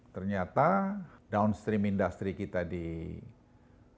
ternyata downstream industri kita di indonesia